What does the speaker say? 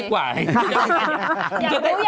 อยากรู้อยากเห็นเลย